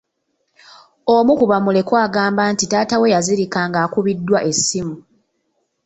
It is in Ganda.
Omu ku bamulekwa agamba nti taata we yazirika ng'akubiddwa essimu.